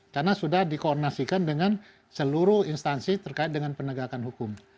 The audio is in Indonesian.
karena sudah dikoordinasikan dengan seluruh instansi terkait dengan penegakan hukum